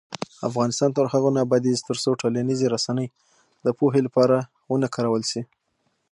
افغانستان تر هغو نه ابادیږي، ترڅو ټولنیزې رسنۍ د پوهې لپاره ونه کارول شي.